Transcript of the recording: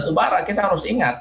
batu bara kita harus ingat